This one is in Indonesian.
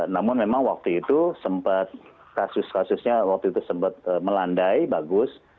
namun memang waktu itu sempat kasus kasusnya waktu itu sempat melandai bagus